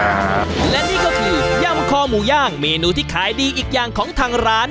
ครับและนี่ก็คือย่ำคอหมูย่างเมนูที่ขายดีอีกอย่างของทางร้าน